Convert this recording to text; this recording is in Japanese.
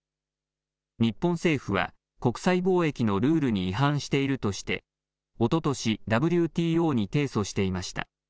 日本政府は国際貿易のルールに違反しているとしておととしＷＴＯに提訴していました。